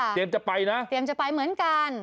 จะไปนะเตรียมจะไปเหมือนกัน